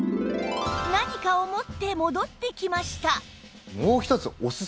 何かを持って戻ってきました